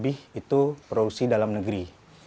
itu produksi dalam negeri